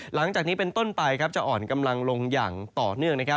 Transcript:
หลังจากนี้เป็นต้นไปจะอ่อนกำลังลงอย่างต่อเนื่อง